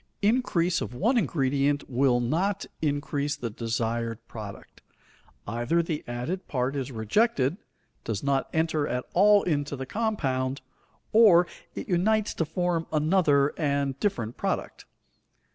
Increase of one ingredient will not increase the desired product. Either the added part is rejected, does not enter at all into the compound, or it unites to form another and different product.